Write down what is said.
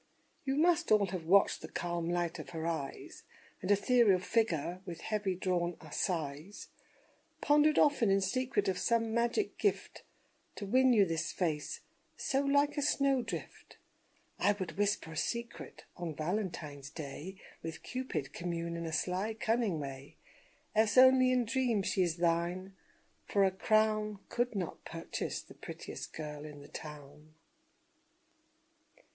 You must all have watched the calm light of her eyes, And ethereal figure with heavy drawn sighs; Pondered often in secret of some magic gift To win you this face so like a snowdrift I would whisper a secret: On Valentine's day, With Cupid commune in a sly, cunning way, Else only in dreams she is thine; for a crown Could not purchase the prettiest girl in the town.